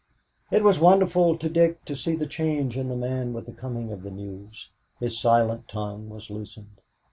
It was wonderful to Dick to see the change in the man with the coming of the news. His silent tongue was loosened.